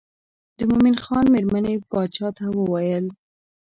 د مومن خان مېرمنې باچا ته وویل.